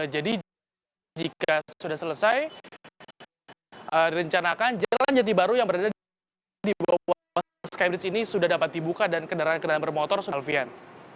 jika sudah selesai direncanakan jalan jati baru yang berada di bawah skybridge ini sudah dapat dibuka dan kendaraan kendaraan bermotor solvian